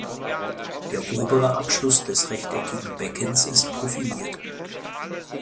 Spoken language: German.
Der obere Abschluss des rechteckigen Beckens ist profiliert.